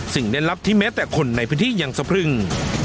สิ่งแน่นลับที่แม้แต่คนในพิธีอย่างสะพรึง